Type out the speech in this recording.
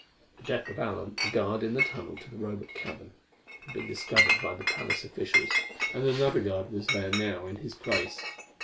The death of Alent, the guard in the tunnel to the Robot cavern, had been discovered by the palace officials, and another guard was there now in his place.